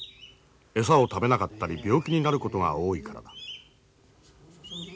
餌を食べなかったり病気になることが多いからだ。